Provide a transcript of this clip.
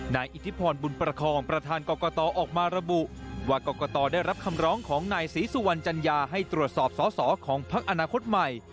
อิทธิพรบุญประคองประธานกรกตออกมาระบุว่ากรกตได้รับคำร้องของนายศรีสุวรรณจัญญาให้ตรวจสอบสอสอของพักอนาคตใหม่